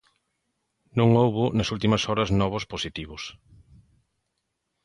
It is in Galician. Non houbo nas últimas horas novos positivos.